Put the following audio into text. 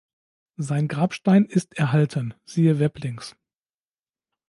Sein Grabstein ist erhalten (siehe Weblinks).